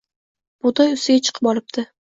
bug’doy ustiga chiqib olibdi